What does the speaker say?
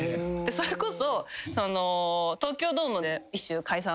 それこそ。